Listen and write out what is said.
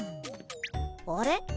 あれ？